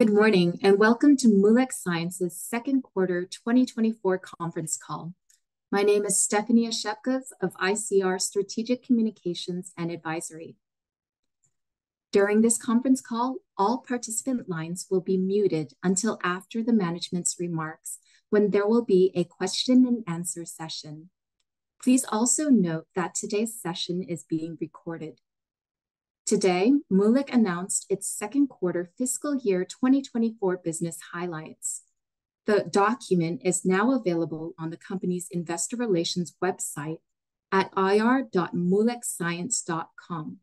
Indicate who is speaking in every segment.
Speaker 1: Good morning, and welcome to Moolec Science's second quarter 2024 conference call. My name is Stephanie Oshchepkov of ICR's Strategic Communication & Advisory. During this conference call, all participant lines will be muted until after the management's remarks, when there will be a question and answer session. Please also note that today's session is being recorded. Today, Moolec announced its second quarter fiscal year 2024 business highlights. The document is now available on the company's investor relations website at ir.moolecscience.com.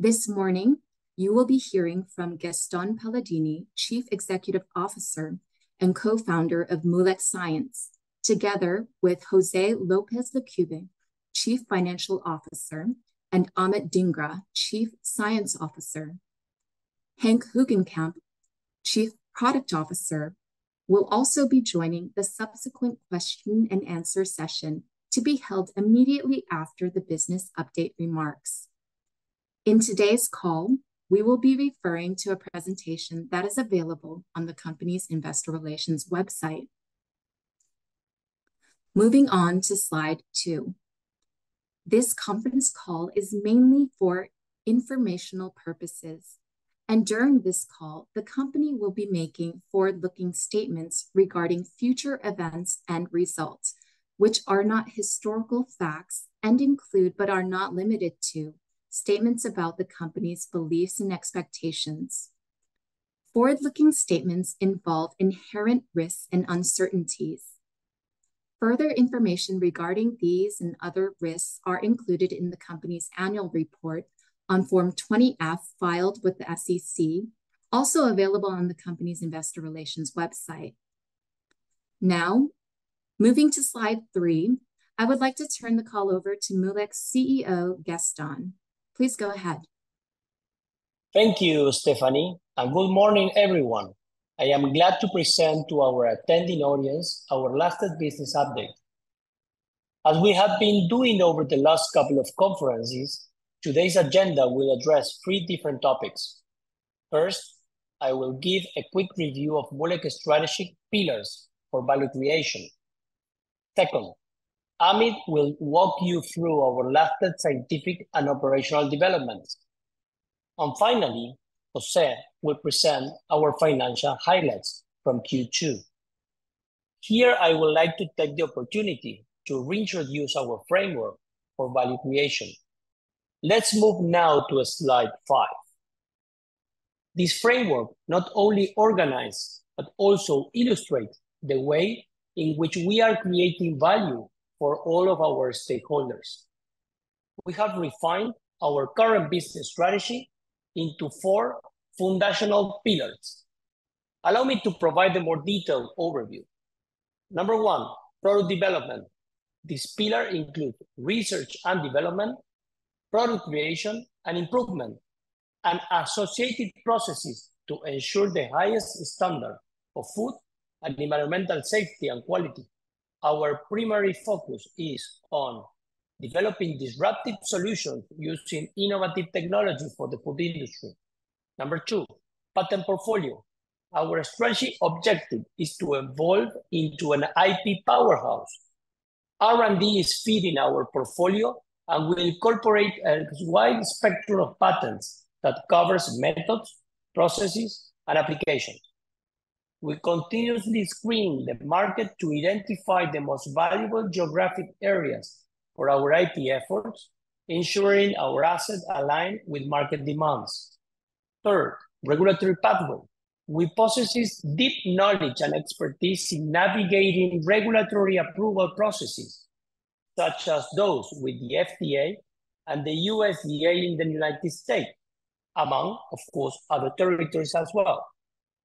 Speaker 1: This morning, you will be hearing from Gastón Paladini, Chief Executive Officer and Co-founder of Moolec Science, together with José López Lecube, Chief Financial Officer, and Amit Dhingra, Chief Science Officer. Henk Hoogenkamp, Chief Product Officer, will also be joining the subsequent question and answer session to be held immediately after the business update remarks. In today's call, we will be referring to a presentation that is available on the company's investor relations website. Moving on to slide two. This conference call is mainly for informational purposes, and during this call, the company will be making Forward-Looking Statements regarding future events and results, which are not historical facts and include, but are not limited to, statements about the company's beliefs and expectations. Forward-Looking Statements involve inherent risks and uncertainties. Further information regarding these and other risks are included in the company's annual report on Form 20-F filed with the SEC, also available on the company's investor relations website. Now, moving to slide three, I would like to turn the call over to Moolec's CEO, Gastón. Please go ahead.
Speaker 2: Thank you, Stephanie, and good morning, everyone. I am glad to present to our attending audience our latest business update. As we have been doing over the last couple of conferences, today's agenda will address three different topics. First, I will give a quick review of Moolec strategic pillars for value creation. Second, Amit will walk you through our latest scientific and operational developments. And finally, José will present our financial highlights from Q2. Here, I would like to take the opportunity to reintroduce our framework for value creation. Let's move now to slide five. This framework not only organize, but also illustrate the way in which we are creating value for all of our stakeholders. We have refined our current business strategy into four foundational pillars. Allow me to provide a more detailed overview. Number one, product development. This pillar include research and development, product creation and improvement, and associated processes to ensure the highest standard of food and environmental safety and quality. Our primary focus is on developing disruptive solutions using innovative technology for the food industry. Number two, patent portfolio. Our strategy objective is to evolve into an IP powerhouse. R&D is feeding our portfolio, and we incorporate a wide spectrum of patents that covers methods, processes, and applications. We continuously screen the market to identify the most valuable geographic areas for our IP efforts, ensuring our assets align with market demands. Third, regulatory pathway. We possesses deep knowledge and expertise in navigating regulatory approval processes, such as those with the FDA and the USDA in the United States, among, of course, other territories as well.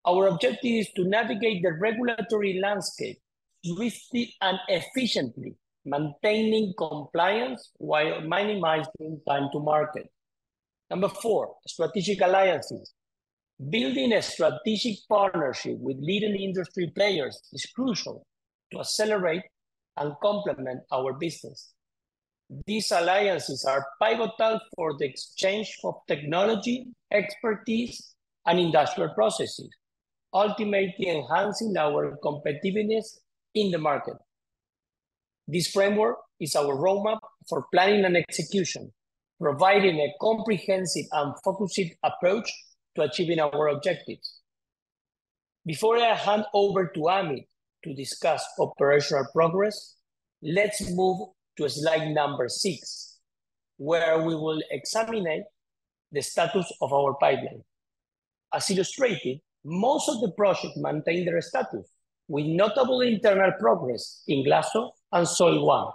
Speaker 2: Our objective is to navigate the regulatory landscape swiftly and efficiently, maintaining compliance while minimizing time to market. Number 4, strategic alliances. Building a strategic partnership with leading industry players is crucial to accelerate and complement our business. These alliances are pivotal for the exchange of technology, expertise, and industrial processes, ultimately enhancing our competitiveness in the market. This framework is our roadmap for planning and execution, providing a comprehensive and focused approach to achieving our objectives. Before I hand over to Amit to discuss operational progress, let's move to slide number six, where we will examine the status of our pipeline. As illustrated, most of the projects maintain their status, with notable internal progress in GLASO and SOOY1.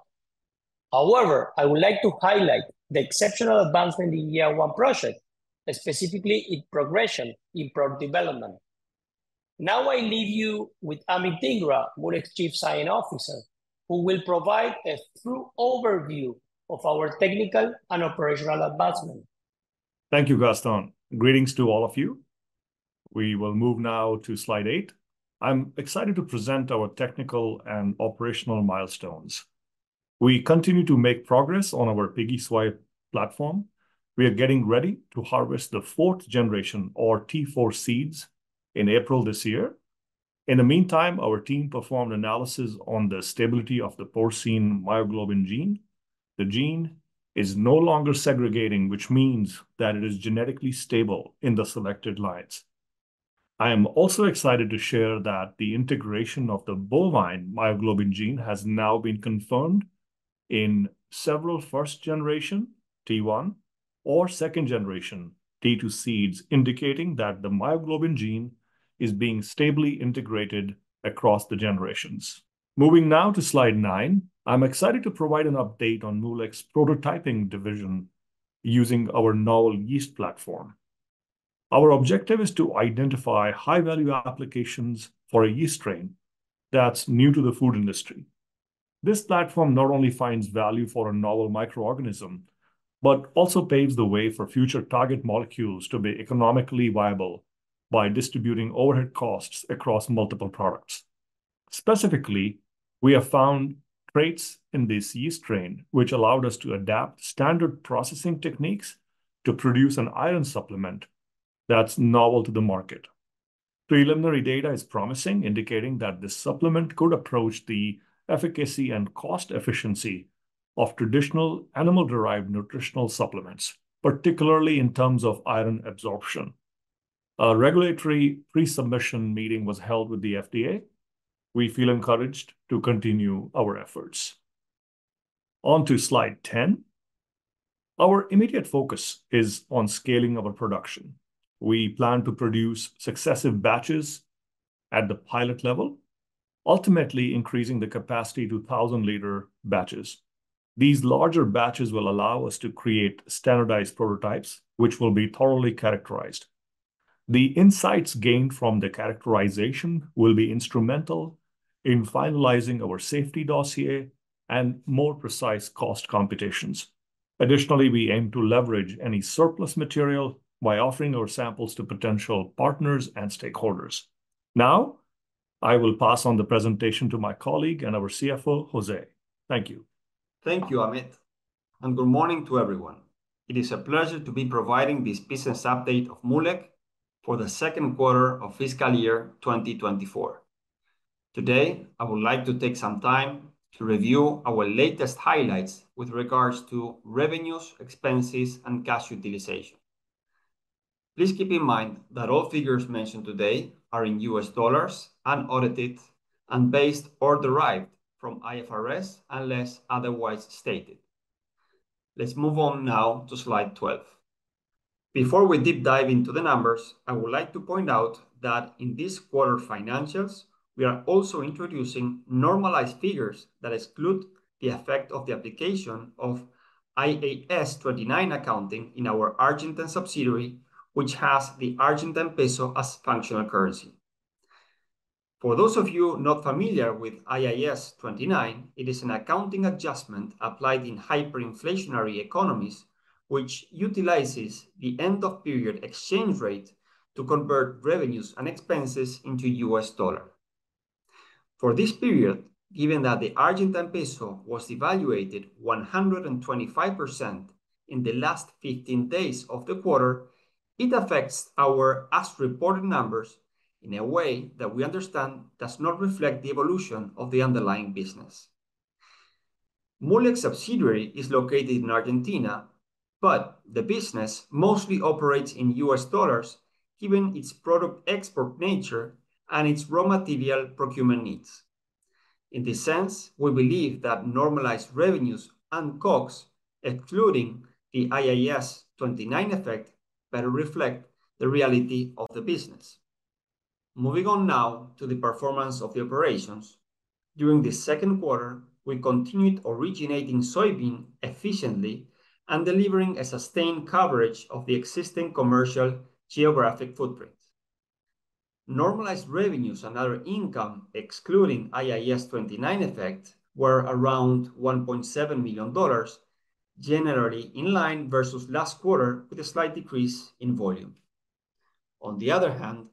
Speaker 2: However, I would like to highlight the exceptional advancement in YEEA1 project, specifically in progression in product development. Now, I leave you with Amit Dhingra, Moolec's Chief Science Officer, who will provide a thorough overview of our technical and operational advancement.
Speaker 3: Thank you, Gastón. Greetings to all of you. We will move now to slide eight. I'm excited to present our technical and operational milestones... We continue to make progress on our Piggy Sooy platform. We are getting ready to harvest the fourth generation, or T4 seeds, in April this year. In the meantime, our team performed analysis on the stability of the porcine myoglobin gene. The gene is no longer segregating, which means that it is genetically stable in the selected lines. I am also excited to share that the integration of the bovine myoglobin gene has now been confirmed in several first-generation, T1, or second-generation, T2 seeds, indicating that the myoglobin gene is being stably integrated across the generations. Moving now to slide nine, I'm excited to provide an update on Moolec's prototyping division using our novel yeast platform. Our objective is to identify high-value applications for a yeast strain that's new to the food industry. This platform not only finds value for a novel microorganism, but also paves the way for future target molecules to be economically viable by distributing overhead costs across multiple products. Specifically, we have found traits in this yeast strain, which allowed us to adapt standard processing techniques to produce an iron supplement that's novel to the market. Preliminary data is promising, indicating that this supplement could approach the efficacy and cost efficiency of traditional animal-derived nutritional supplements, particularly in terms of iron absorption. A regulatory pre-submission meeting was held with the FDA. We feel encouraged to continue our efforts. On to slide 10. Our immediate focus is on scaling our production. We plan to produce successive batches at the pilot level, ultimately increasing the capacity to 1,000-liter batches. These larger batches will allow us to create standardized prototypes, which will be thoroughly characterized. The insights gained from the characterization will be instrumental in finalizing our safety dossier and more precise cost computations. Additionally, we aim to leverage any surplus material by offering our samples to potential partners and stakeholders. Now, I will pass on the presentation to my colleague and our CFO, José. Thank you.
Speaker 4: Thank you, Amit, and good morning to everyone. It is a pleasure to be providing this business update of Moolec for the second quarter of fiscal year 2024. Today, I would like to take some time to review our latest highlights with regards to revenues, expenses, and cash utilization. Please keep in mind that all figures mentioned today are in US dollars, unaudited, and based or derived from IFRS, unless otherwise stated. Let's move on now to slide 12. Before we deep dive into the numbers, I would like to point out that in this quarter's financials, we are also introducing normalized figures that exclude the effect of the application of IAS 29 accounting in our Argentine subsidiary, which has the Argentine peso as functional currency. For those of you not familiar with IAS 29, it is an accounting adjustment applied in hyperinflationary economies, which utilizes the end-of-period exchange rate to convert revenues and expenses into U.S. dollars. For this period, given that the Argentine peso was devalued 125% in the last 15 days of the quarter, it affects our as-reported numbers in a way that we understand does not reflect the evolution of the underlying business. Moolec's subsidiary is located in Argentina, but the business mostly operates in U.S. dollars, given its product export nature and its raw material procurement needs. In this sense, we believe that normalized revenues and COGS, excluding the IAS 29 effect, better reflect the reality of the business. Moving on now to the performance of the operations. During this second quarter, we continued originating soybean efficiently and delivering a sustained coverage of the existing commercial geographic footprint. Normalized revenues and other income, excluding IAS 29 effect, were around $1.7 million, generally in line versus last quarter, with a slight decrease in volume. On the other hand,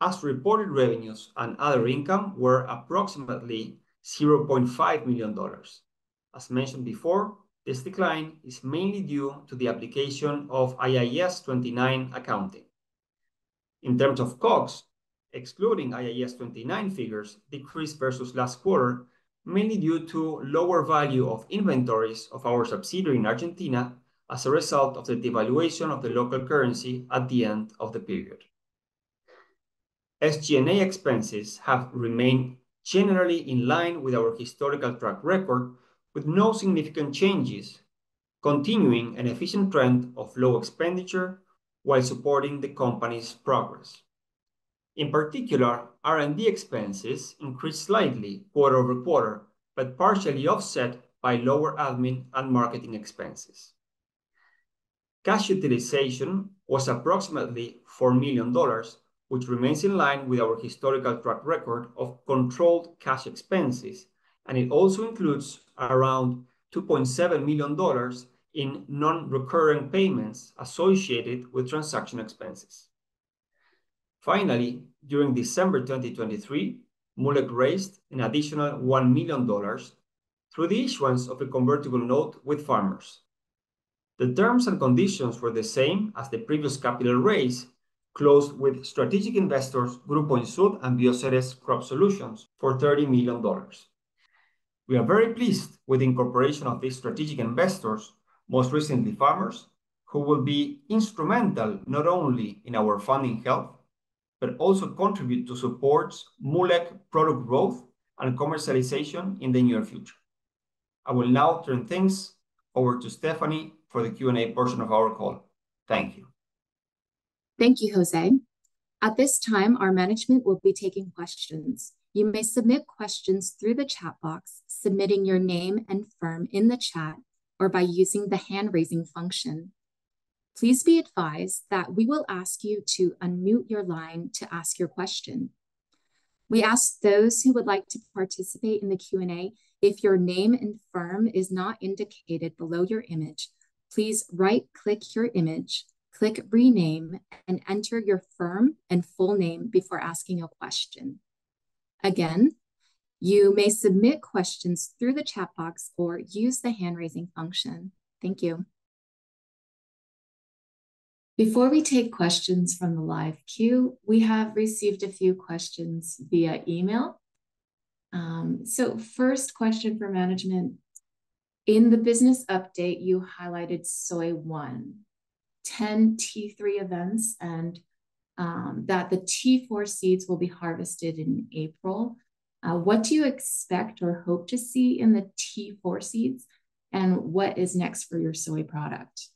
Speaker 4: as reported, revenues and other income were approximately $0.5 million. As mentioned before, this decline is mainly due to the application of IAS 29 accounting. In terms of COGS, excluding IAS 29 figures decreased versus last quarter, mainly due to lower value of inventories of our subsidiary in Argentina as a result of the devaluation of the local currency at the end of the period. SG&A expenses have remained generally in line with our historical track record, with no significant changes, continuing an efficient trend of low expenditure while supporting the company's progress. In particular, R&D expenses increased slightly quarter-over-quarter, but partially offset by lower admin and marketing expenses. Cash utilization was approximately $4 million, which remains in line with our historical track record of controlled cash expenses, and it also includes around $2.7 million in non-recurring payments associated with transaction expenses. Finally, during December 2023, Moolec raised an additional $1 million through the issuance of a convertible note with farmers. The terms and conditions were the same as the previous capital raise, closed with strategic investors, Grupo Insud and Bioceres Crop Solutions, for $30 million. We are very pleased with the incorporation of these strategic investors, most recently farmers, who will be instrumental not only in our funding health, but also contribute to support Moolec product growth and commercialization in the near future. I will now turn things over to Stephanie for the Q&A portion of our call. Thank you.
Speaker 1: Thank you, José. At this time, our management will be taking questions. You may submit questions through the chat box, submitting your name and firm in the chat, or by using the hand-raising function. Please be advised that we will ask you to unmute your line to ask your question. We ask those who would like to participate in the Q&A, if your name and firm is not indicated below your image, please right-click your image, click Rename, and enter your firm and full name before asking a question. Again, you may submit questions through the chat box or use the hand-raising function. Thank you. Before we take questions from the live queue, we have received a few questions via email. So first question for management: "In the business update, you highlighted SOOY1, 10 T3 events, and that the T4 seeds will be harvested in April. What do you expect or hope to see in the T4 seeds, and what is next for your soy product?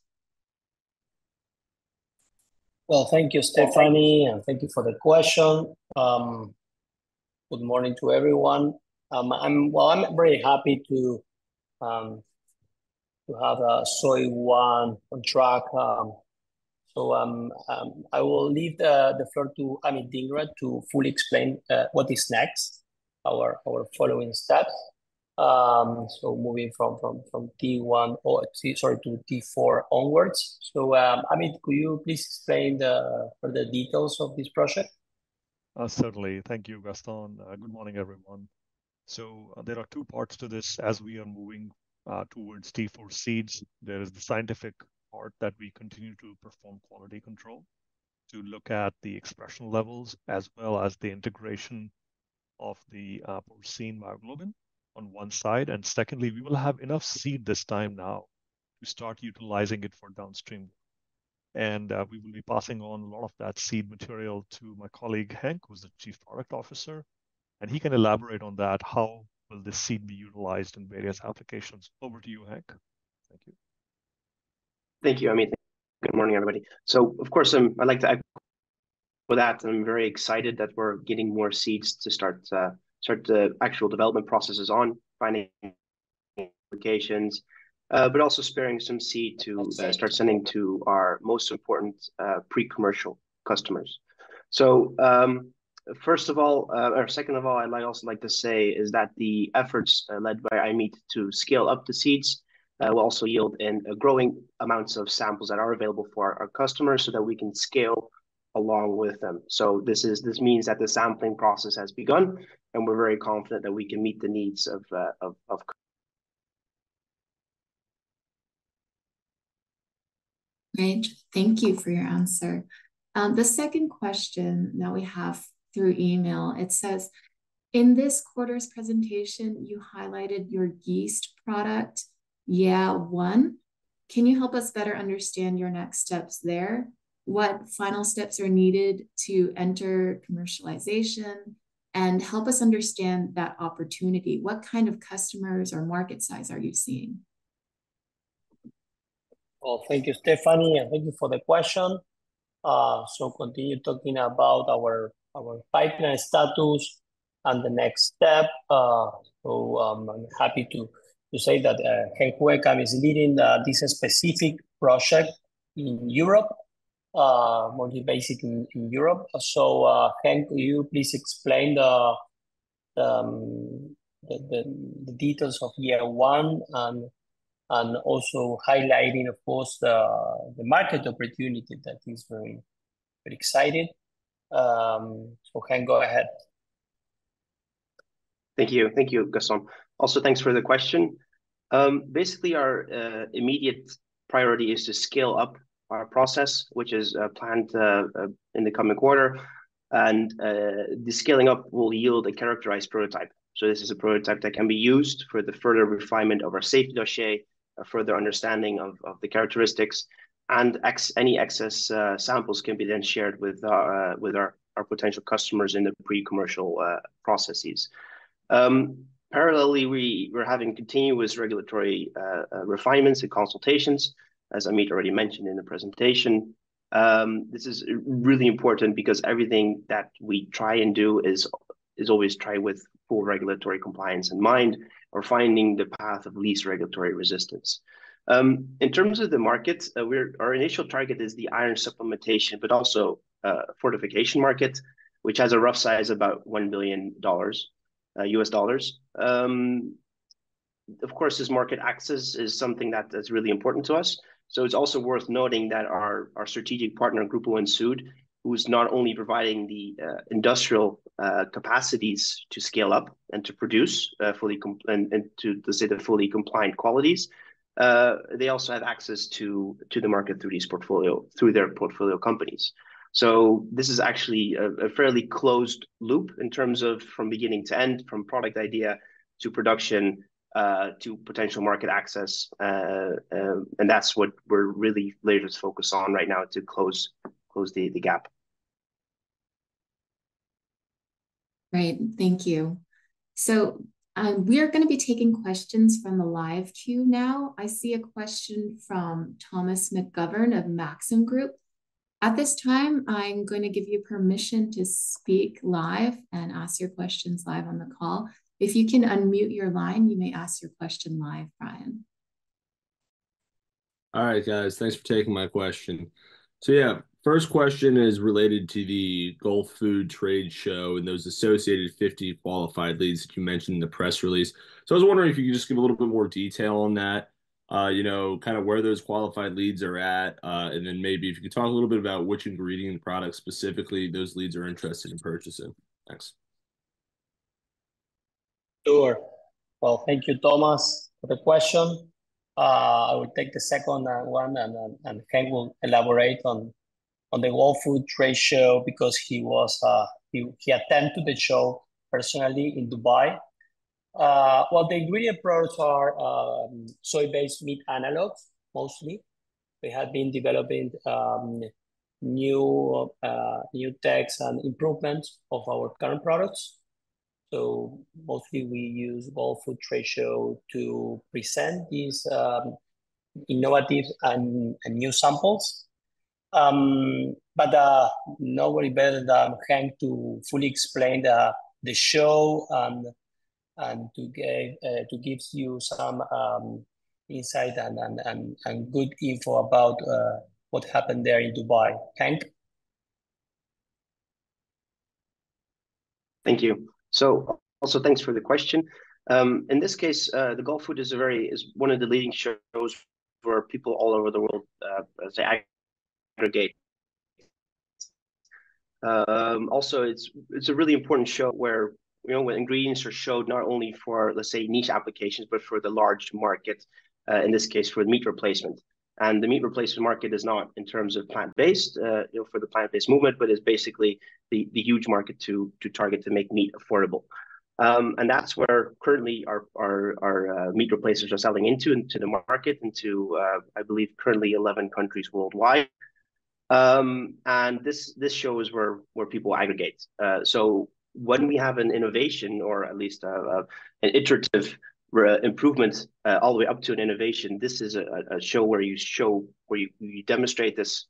Speaker 2: Well, thank you, Stephanie, and thank you for the question. Good morning to everyone. Well, I'm very happy to have Piggy Sooy on track. So, I will leave the floor to Amit Dhingra to fully explain what is next, our following steps. So moving from T1 or T-- sorry, to T4 onwards. So, Amit, could you please explain the details of this project?
Speaker 3: Certainly. Thank you, Gastón. Good morning, everyone. There are two parts to this as we are moving towards T4 seeds. There is the scientific part that we continue to perform quality control, to look at the expression levels, as well as the integration of the porcine myoglobin on one side. And secondly, we will have enough seed this time now to start utilizing it for downstream. And we will be passing on a lot of that seed material to my colleague, Henk, who's the Chief Product Officer, and he can elaborate on that, how will the seed be utilized in various applications. Over to you, Henk. Thank you.
Speaker 5: Thank you, Amit. Good morning, everybody. So of course, I'd like to add with that, I'm very excited that we're getting more seeds to start the actual development processes on finding applications, but also sparing some seed to start sending to our most important pre-commercial customers. So, first of all, or second of all, I might also like to say, is that the efforts led by Amit to scale up the seeds will also yield in a growing amounts of samples that are available for our customers so that we can scale along with them. So this is, this means that the sampling process has begun, and we're very confident that we can meet the needs of, of, of-
Speaker 1: Great. Thank you for your answer. The second question that we have through email, it says: "In this quarter's presentation, you highlighted your yeast product, YEEA1. Can you help us better understand your next steps there? What final steps are needed to enter commercialization? And help us understand that opportunity. What kind of customers or market size are you seeing?
Speaker 2: Well, thank you, Stephanie, and thank you for the question. Continue talking about our pipeline status and the next step. I'm happy to say that Henk Hoogenkamp is leading this specific project in Europe, mostly based in Europe. So, Henk, could you please explain the details of YEEA1, and also highlighting, of course, the market opportunity that is very, very exciting? Henk, go ahead.
Speaker 5: Thank you. Thank you, Gastón. Also, thanks for the question. Basically, our immediate priority is to scale up our process, which is planned in the coming quarter. The scaling up will yield a characterized prototype. So this is a prototype that can be used for the further refinement of our safety dossier, a further understanding of the characteristics, and any excess samples can be then shared with our potential customers in the pre-commercial processes. Parallelly, we're having continuous regulatory refinements and consultations, as Amit already mentioned in the presentation. This is really important because everything that we try and do is always tried with full regulatory compliance in mind or finding the path of least regulatory resistance. In terms of the markets, our initial target is the iron supplementation, but also, fortification market, which has a rough size about $1 billion. Of course, this market access is something that is really important to us. So it's also worth noting that our strategic partner, Grupo Insud, who is not only providing the industrial capacities to scale up and to produce fully compliant qualities, they also have access to the market through their portfolio companies. So this is actually a fairly closed loop in terms of from beginning to end, from product idea to production, to potential market access. And that's what we're really focused on right now, to close the gap.
Speaker 1: Great, thank you. So, we are gonna be taking questions from the live queue now. I see a question from Thomas McGovern of Maxim Group. At this time, I'm going to give you permission to speak live and ask your questions live on the call. If you can unmute your line, you may ask your question live, Brian.
Speaker 6: All right, guys. Thanks for taking my question. So yeah, first question is related to the Gulfood trade show and those associated 50 qualified leads that you mentioned in the press release. So I was wondering if you could just give a little bit more detail on that, you know, kind of where those qualified leads are at. And then maybe if you could talk a little bit about which ingredient and product specifically those leads are interested in purchasing. Thanks.
Speaker 2: Sure. Well, thank you, Thomas, for the question. I will take the second one, and then Hank will elaborate on the Gulfood trade show because he attended the show personally in Dubai. Well, the ingredient products are soy-based meat analogues, mostly. We have been developing new techs and improvements of our current products. So mostly we use Gulfood trade show to present these innovative and new samples. But nobody better than Hank to fully explain the show and to give you some insight and good info about what happened there in Dubai. Hank?
Speaker 5: Thank you. So also, thanks for the question. In this case, the Gulfood is one of the leading shows for people all over the world, let's say, aggregate. Also, it's a really important show where, you know, where ingredients are showed not only for, let's say, niche applications, but for the large market, in this case, for meat replacement. And the meat replacement market is not in terms of plant-based, you know, for the plant-based movement, but is basically the huge market to target, to make meat affordable. And that's where currently our meat replacers are selling into the market, into, I believe, currently 11 countries worldwide. And this show is where people aggregate. So when we have an innovation or at least an iterative improvement all the way up to an innovation, this is a show where you show—where you demonstrate this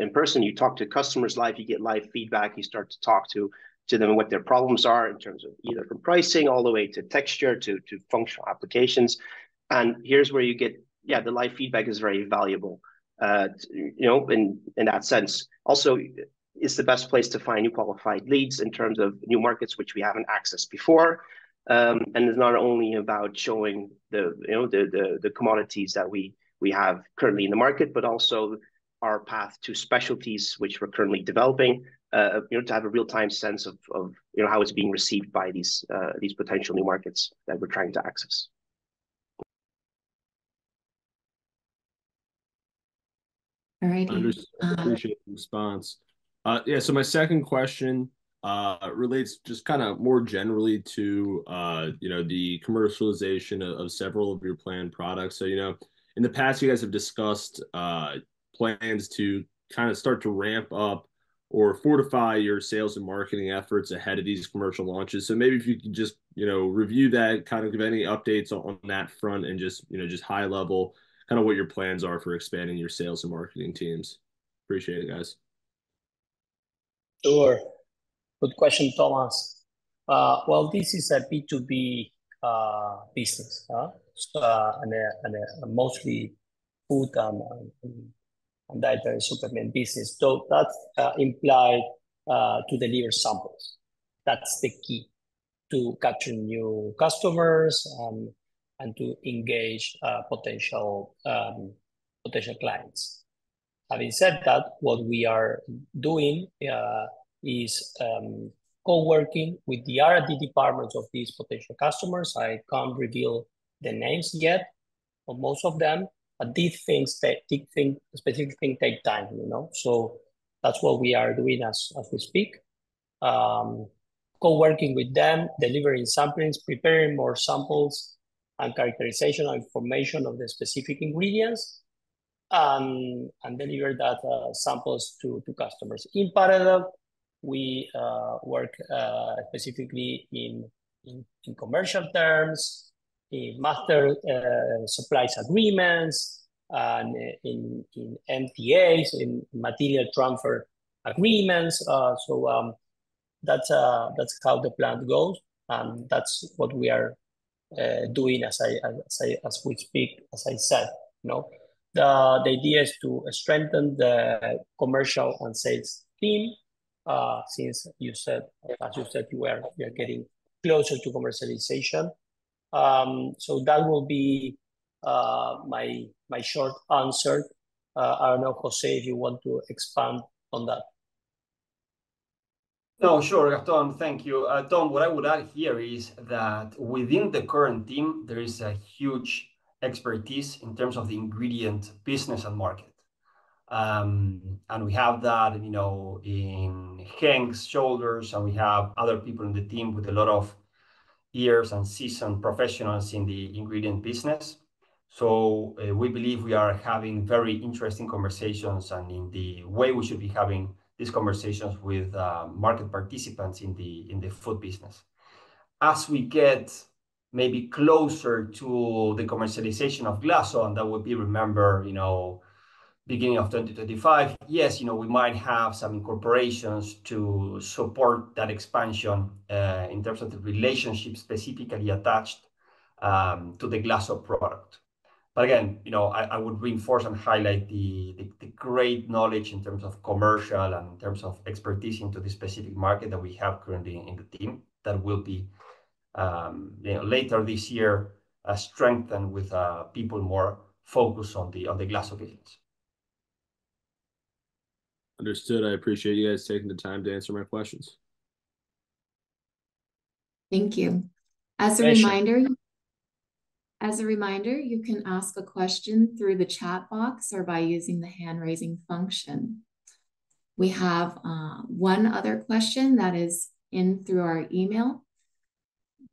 Speaker 5: in person. You talk to customers live, you get live feedback, you start to talk to them what their problems are in terms of either from pricing, all the way to texture, to functional applications. And here's where you get... Yeah, the live feedback is very valuable, you know, in that sense. Also, it's the best place to find new qualified leads in terms of new markets which we haven't accessed before. It's not only about showing the, you know, the commodities that we have currently in the market, but also our path to specialties which we're currently developing, you know, to have a real-time sense of how it's being received by these potential new markets that we're trying to access.
Speaker 1: All right, and,
Speaker 6: I appreciate the response. Yeah, so my second question relates just kinda more generally to, you know, the commercialization of, of several of your planned products. So, you know, in the past, you guys have discussed plans to kinda start to ramp up or fortify your sales and marketing efforts ahead of these commercial launches. So maybe if you could just, you know, review that, kind of give any updates on, on that front and just, you know, just high level, kind of what your plans are for expanding your sales and marketing teams. Appreciate it, guys.
Speaker 2: Sure. Good question, Thomas. Well, this is a B2B business, so and a mostly food and dietary supplement business. So that imply to deliver samples. That's the key to capturing new customers and to engage potential clients. Having said that, what we are doing is co-working with the R&D departments of these potential customers. I can't reveal the names yet, but most of them, these specific things take time, you know? So that's what we are doing as we speak. Co-working with them, delivering samples, preparing more samples, and characterization information of the specific ingredients and deliver that samples to customers. In parallel, we work specifically in commercial terms, in Master Supplies Agreements, in MPAs, in Material Transfer Agreements. So, that's how the plan goes, and that's what we are doing, as we speak, as I said, you know. The idea is to strengthen the commercial and sales team since you said, as you said, you're getting closer to commercialization. So that will be my short answer. I don't know, José, if you want to expand on that.
Speaker 4: No, sure, Gastón, thank you. Tom, what I would add here is that within the current team, there is a huge expertise in terms of the ingredient business and market. And we have that, you know, in Henk's shoulders, and we have other people in the team with a lot of years and seasoned professionals in the ingredient business. So, we believe we are having very interesting conversations and in the way we should be having these conversations with market participants in the food business. As we get maybe closer to the commercialization of GLASO, and that would be, remember, you know, beginning of 2025, yes, you know, we might have some corporations to support that expansion in terms of the relationship specifically attached to the GLASO product. But again, you know, I would reinforce and highlight the great knowledge in terms of commercial and in terms of expertise into the specific market that we have currently in the team, that will be, you know, later this year, strengthened with people more focused on the GLASO business.
Speaker 6: Understood. I appreciate you guys taking the time to answer my questions.
Speaker 1: Thank you.
Speaker 2: Pleasure.
Speaker 1: As a reminder, as a reminder, you can ask a question through the chat box or by using the hand-raising function. We have one other question that is in through our email.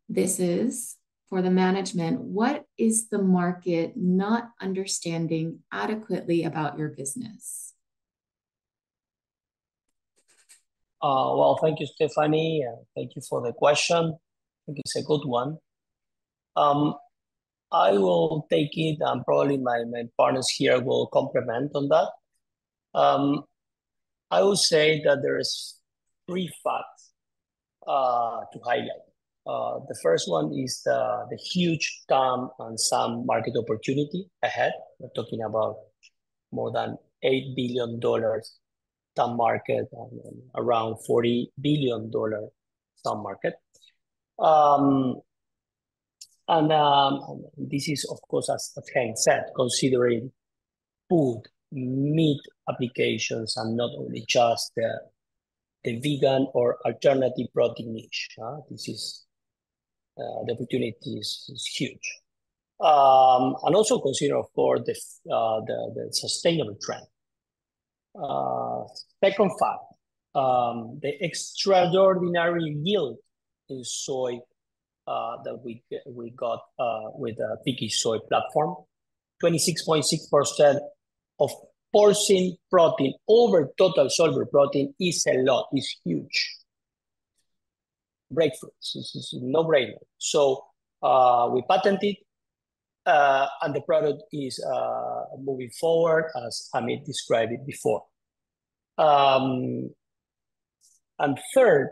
Speaker 1: This is for the management: What is the market not understanding adequately about your business?
Speaker 2: Well, thank you, Stephanie, and thank you for the question. I think it's a good one. I will take it, and probably my, my partners here will complement on that. I will say that there is three facts to highlight. The first one is the huge TAM and SAM market opportunity ahead. We're talking about more than $8 billion TAM market and around $40 billion SAM market. And this is, of course, as Henk said, considering food, meat applications, and not only just the vegan or alternative protein niche, this is the opportunity is huge. And also consider, of course, the sustainable trend. Second fact, the extraordinary yield in soy that we got with the Piggy Sooy platform. 26.6% of porcine protein over total soluble protein is a lot, is huge. Breakthrough, this is a no-brainer. So, we patent it, and the product is moving forward, as Amit described it before. And third,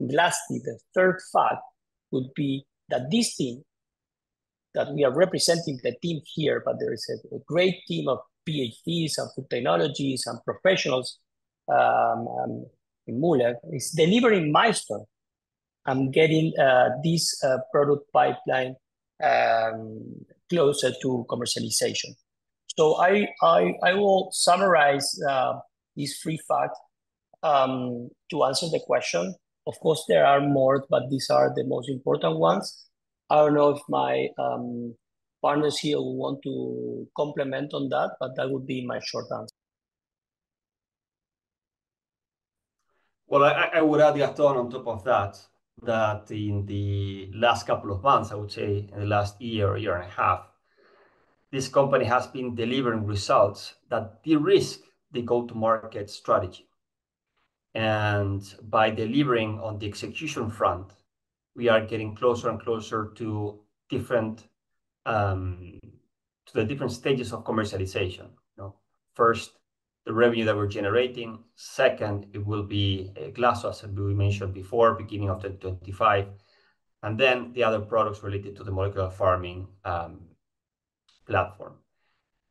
Speaker 2: lastly, the third fact would be that this team, that we are representing the team here, but there is a great team of PhDs, and food technologists, and professionals in Moolec, is delivering milestones and getting this product pipeline closer to commercialization. So I will summarize these three facts to answer the question. Of course, there are more, but these are the most important ones. I don't know if my partners here would want to comment on that, but that would be my short answer.
Speaker 4: Well, I would add, Gastón, on top of that, that in the last couple of months, I would say in the last year or year and a half, this company has been delivering results that de-risk the go-to-market strategy. And by delivering on the execution front, we are getting closer and closer to different, to the different stages of commercialization, you know. First, the revenue that we're generating, second, it will be GLASO, as we mentioned before, beginning of 2025, and then the other products related to the Molecular Farming platform.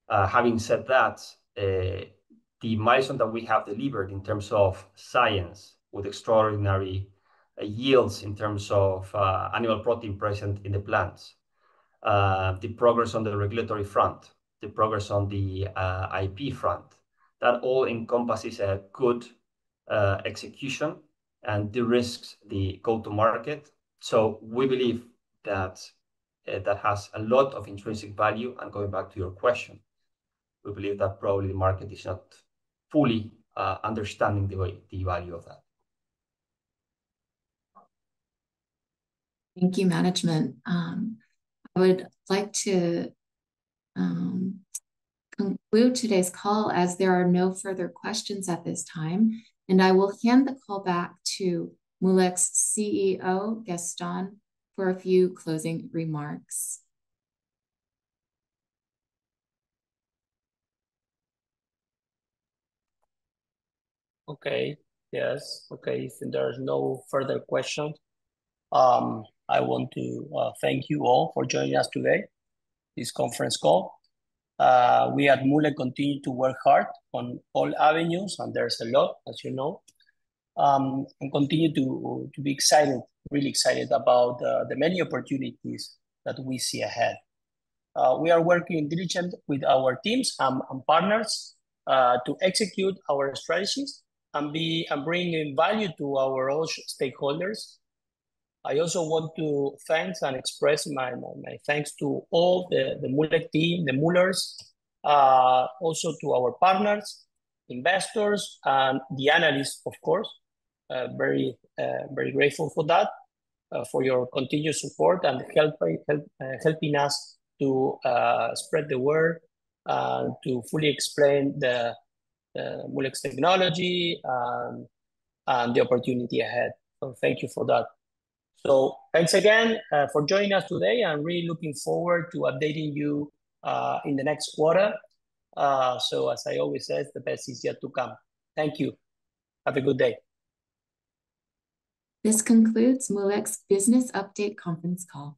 Speaker 4: Having said that, the milestone that we have delivered in terms of science, with extraordinary yields in terms of animal protein present in the plants, the progress on the regulatory front, the progress on the IP front, that all encompasses a good execution and de-risks the go-to-market. So we believe that that has a lot of intrinsic value. And going back to your question, we believe that probably the market is not fully understanding the way, the value of that.
Speaker 1: Thank you, management. I would like to conclude today's call as there are no further questions at this time, and I will hand the call back to Moolec's CEO, Gastón, for a few closing remarks.
Speaker 2: Okay. Yes. Okay, if there is no further question, I want to thank you all for joining us today, this conference call. We at Moolec continue to work hard on all avenues, and there's a lot, as you know, and continue to be excited, really excited about the many opportunities that we see ahead. We are working diligent with our teams and partners to execute our strategies and bringing value to our all stakeholders. I also want to thank and express my thanks to all the Moolec team, the Moolecers, also to our partners, investors, and the analysts, of course. Very grateful for that, for your continued support and help, helping us to spread the word to fully explain the Moolec technology and the opportunity ahead. Thank you for that. Thanks again for joining us today. I'm really looking forward to updating you in the next quarter. So as I always say, "The best is yet to come." Thank you. Have a good day.
Speaker 1: This concludes Moolec Business Update Conference Call.